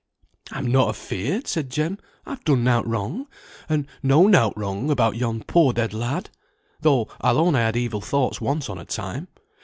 "I'm not afeared!" said Jem; "I've done nought wrong, and know nought wrong, about yon poor dead lad; though I'll own I had evil thoughts once on a time.